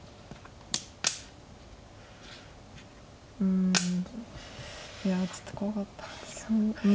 うんいやちょっと怖かったんですよ。